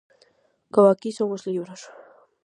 Como aquí son os libros.